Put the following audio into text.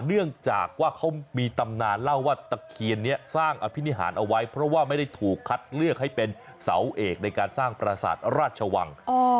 เนื่องจากว่าเขามีตำนานเล่าว่าตะเคียนนี้สร้างอภินิหารเอาไว้เพราะว่าไม่ได้ถูกคัดเลือกให้เป็นเสาเอกในการสร้างประสาทราชวัง